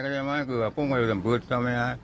คือผมสำคัญทำไม่ร้าย